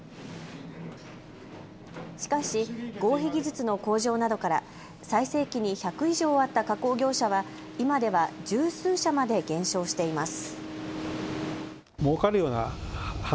しかし合皮技術の向上などから最盛期に１００以上あった加工業者は今では十数社まで減少しています。